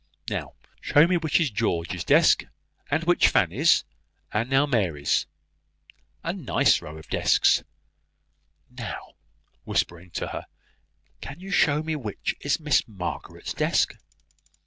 Now show me which is George's desk, and which Fanny's; and now Mary's, a nice row of desks! Now," whispering to her, "can you show me which is Miss Margaret's desk?"